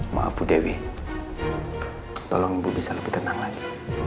maaf bu dewi tolong ibu bisa lebih tenang lagi